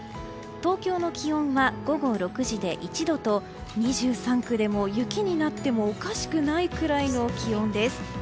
東京の気温は午後６時で１度と２３区でも雪になってもおかしくないくらいの気温です。